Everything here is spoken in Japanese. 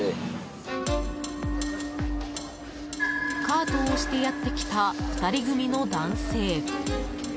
カートを押してやってきた２人組の男性。